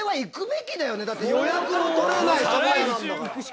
だって予約の取れない蕎麦屋なんだから。